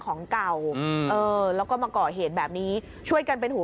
มันกลับมาที่สุดท้ายแล้วมันกลับมาที่สุดท้ายแล้ว